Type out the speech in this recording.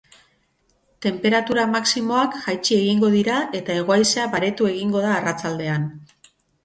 Tenperatura maximoak jaitsi egingo dira eta hego-haizea baretu egingo da arratsaldean.